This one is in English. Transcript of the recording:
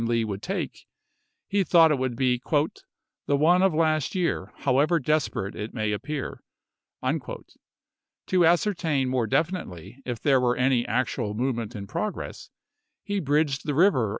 Lee would take, he thought it would be " the one voi^xxv., Part II of last year, however desperate it may appear." p. 543."' To ascertain more definitely if there were any actual movement in progress, he bridged the river ju2e6?